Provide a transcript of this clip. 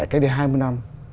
cách đây hai mươi năm